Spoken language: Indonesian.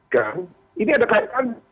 gang ini ada kaitan